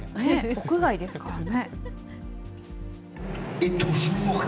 屋外ですからね。